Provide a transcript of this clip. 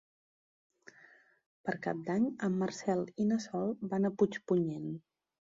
Per Cap d'Any en Marcel i na Sol van a Puigpunyent.